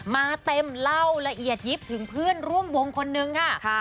มาเต็มเล่าละเอียดยิบถึงเพื่อนร่วมวงคนนึงค่ะ